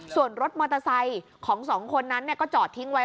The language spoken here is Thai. ส่วนรถมอเตอร์ไซค์ของสองคนนั้นก็จอดทิ้งไว้